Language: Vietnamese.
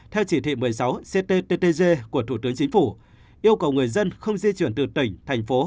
theo chỉ thị một mươi sáu cttg của thủ tướng chính phủ yêu cầu người dân không di chuyển từ tỉnh thành phố